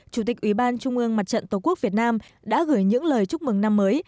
chủ tịch ủy ban trung ương mặt trận tổ quốc việt nam đã gửi những lời chúc mừng năm mới